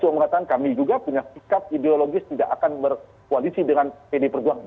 yang mengatakan kami juga punya sikap ideologis tidak akan berkoalisi dengan pd perjuangan